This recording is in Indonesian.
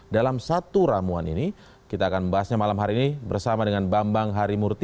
dalam satu ramuan ini kita akan membahasnya malam hari ini bersama dengan bambang harimurti